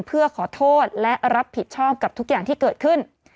เพื่อขอโทษและรับผิดชอบกับทุกอย่างที่เกิดขึ้น